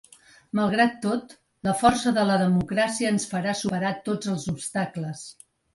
Malgrat tot, la força de la democràcia ens farà superar tots els obstacles.